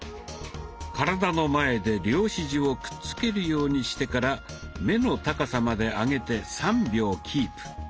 体の前で両ひじをくっつけるようにしてから目の高さまで上げて３秒キープ。